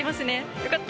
よかった！